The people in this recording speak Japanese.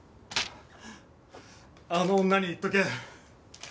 あの女に言っとけ。